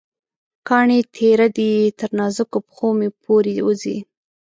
کاڼې تېره دي، تر نازکو پښومې پورې وځي